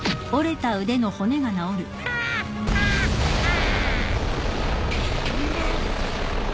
ハッハッハッ！